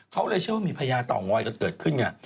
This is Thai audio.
เขาเลยเชื่อว่ามีพญาเต่างอยกันเกิดขึ้นไง